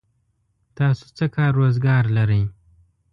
تاسو څه کار روزګار لرئ؟